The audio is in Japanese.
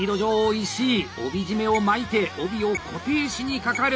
石井帯締めを巻いて帯を固定しにかかる！